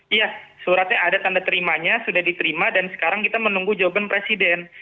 iya suratnya ada tanda terimanya sudah diterima dan sekarang kita menunggu jawaban presiden